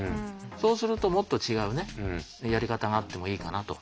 そうするともっと違うねやり方があってもいいかなと。